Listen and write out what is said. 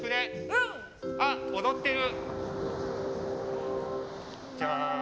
うん！あっ、踊ってる。